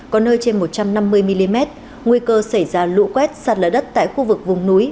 có nơi trên một trăm năm mươi mm nguy cơ xảy ra lũ quét sạt lở đất tại khu vực vùng núi